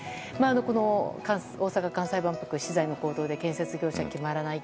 大阪・関西万博資材の高騰で建設業者が決まらない。